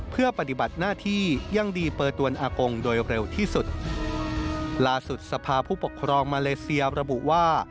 เพื่อปฏิบัติหน้าที่ยังดีเปิดตัวอากงโดยเร็วที่สุดล่าสุดสภาผู้ปกครองมาเลเซียระบุว่า